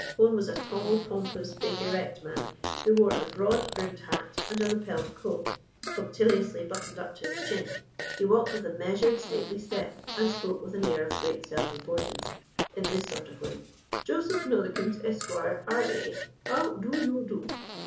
Hone was a tall, pompous, big, erect man, who wore a broad brimmed hat and a lapelled coat, punctiliously buttoned up to his chin. He walked with a measured, stately step, and spoke with an air of great self importance in this sort of way: "Joseph Nollekens, Esq., R.A., how do you do?"